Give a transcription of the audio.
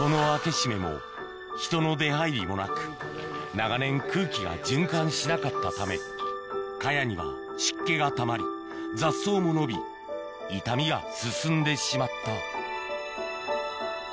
長年空気が循環しなかったためカヤには湿気がたまり雑草も伸び傷みが進んでしまった